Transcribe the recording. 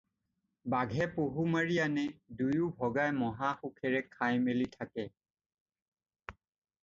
বাঘে পহু মাৰি আনে, দুয়ো ভগাই মহাসুখেৰে খাই-মেলি থাকে।